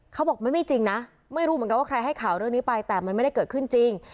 เขาบอกไม่จริงนะไม่รู้เหมือนกันว่าใครให้ข่าวเรื่องนี้ไปแต่มันไม่ได้เกิดขึ้นจริง